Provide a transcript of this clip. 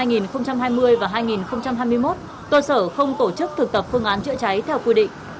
năm hai nghìn hai mươi và hai nghìn hai mươi một cơ sở không tổ chức thực tập phương án chữa cháy theo quy định